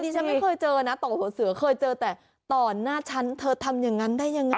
ฉันไม่เคยเจอนะต่อหัวเสือเคยเจอแต่ต่อหน้าฉันเธอทำอย่างนั้นได้ยังไง